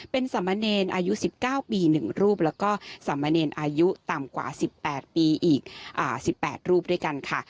เป็นสามเณรอายุ๑๙ปี๑รูปแล้วก็สามเณรอายุต่ำกว่า๑๘ปีอีก๑๘รูปด้วยกันค่ะ